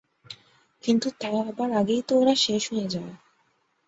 কিন্তু তা হবার আগেই তো ওরা শেষ হয়ে যায়।